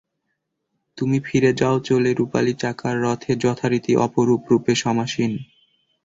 তুমি ফিরে যাও চলে রুপালি চাকার রথে যথারীতি অপরূপ রূপে সমাসীন।